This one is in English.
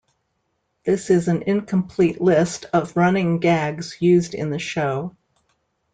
This is an incomplete list of running gags used in the show.